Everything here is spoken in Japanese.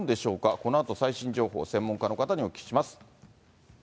このあと最新情報、専門家の方にお聞きします。